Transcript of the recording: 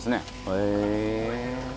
へえ。